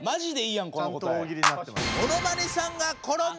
ちゃんと大喜利になってます。